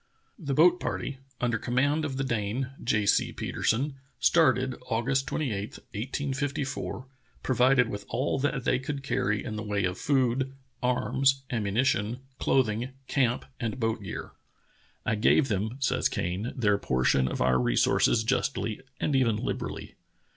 * The boat party, under command of the Dane, J. C. Petersen, started August 28, 1854, provided with all that they could carry in the way of food, arms, ammu nition, clothing, camp and boat gear. "I gave them [says Kane] their portion of our resources justlj', and even liberally.